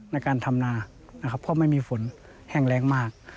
ในการทำนานะครับเพราะไม่มีฝนแห้งแรงมาก